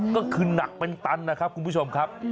ก็คือหนักเป็นตันนะครับคุณผู้ชมครับ